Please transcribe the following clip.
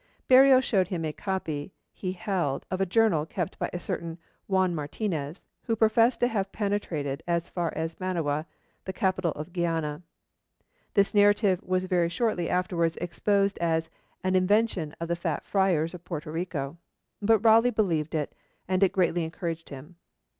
Berreo showed him a copy he held of a journal kept by a certain Juan Martinez, who professed to have penetrated as far as Manoa, the capital of Guiana. This narrative was very shortly afterwards exposed as 'an invention of the fat friars of Puerto Rico,' but Raleigh believed it, and it greatly encouraged him.